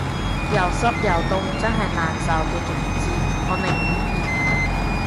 有濕又凍真係難受嘅極致，我寧願熱